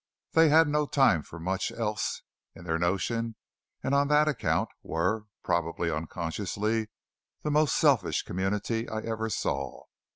They had no time for much else, in their notion; and on that account were, probably unconsciously, the most selfish community I ever saw.